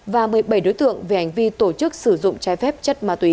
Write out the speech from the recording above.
và một mươi bảy đối tượng về hành vi tổ chức sử dụng trái phép chất ma túy